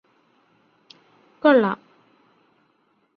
കൊള്ളാം